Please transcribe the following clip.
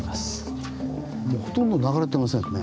もうほとんど流れてませんね。